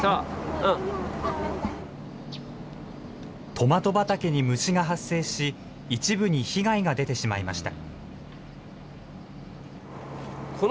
トマト畑に虫が発生し、一部に被害が出てしまいました。